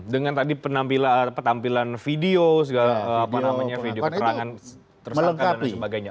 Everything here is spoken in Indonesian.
dengan tadi penampilan video video keterangan tersangka dan sebagainya